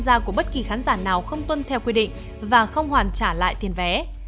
các khán giả của bất kỳ khán giả nào không tuân theo quy định và không hoàn trả lại tiền vé